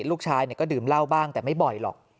ลูกชายก็ดื่มเหล้าบ้างแต่ไม่บ่อยหรอก